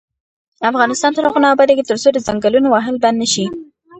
افغانستان تر هغو نه ابادیږي، ترڅو د ځنګلونو وهل بند نشي.